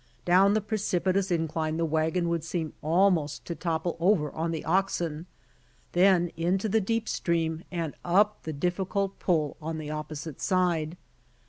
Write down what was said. Down the precipitous incline the wagon would seem almost to topple over on the oxen, then into the deep stream and up the difficult pull on the opposite side.